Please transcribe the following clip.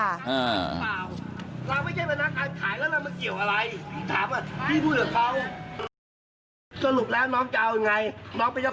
มันจะไม่เสียหายถ้าคุณตกเฉย